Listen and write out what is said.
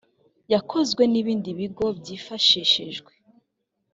yakozwe n ibindi bigo byifashishijwe